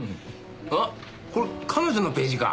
あっこれ彼女のページか。